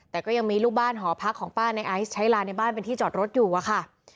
แต่ก็ยังมีลูกบ้านหอพักของป้าในไอซ์ใช้ลานในบ้านเป็นที่จอดรถอยู่อะค่ะ